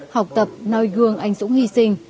học tập nôi gương anh dũng hy sinh